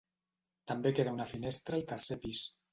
També queda una finestra al tercer pis.